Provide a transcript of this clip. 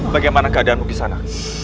bagaimana keadaanmu kisanak